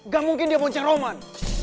gak mungkin dia puncak roman